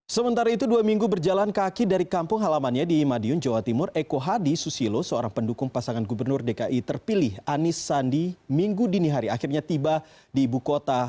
sementara itu dua minggu berjalan kaki dari kampung halamannya di madiun jawa timur eko hadi susilo seorang pendukung pasangan gubernur dki terpilih anis sandi minggu dini hari akhirnya tiba di ibu kota